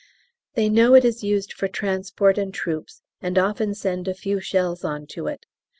They know it is used for transport and troops and often send a few shells on to it.